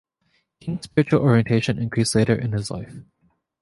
King's spiritual orientation increased later in his life.